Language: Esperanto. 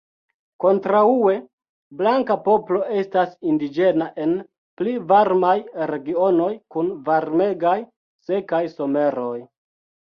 Kontraŭe, blanka poplo estas indiĝena en pli varmaj regionoj, kun varmegaj, sekaj someroj.